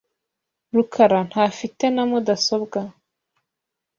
rukara ntafite na mudasobwa .